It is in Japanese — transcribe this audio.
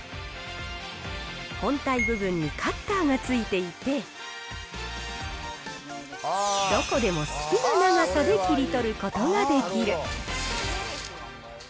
本体部分にカッターがついていて、どこでも好きな長さで切り取ることができる。